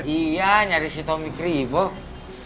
iya nyari si tommy keribok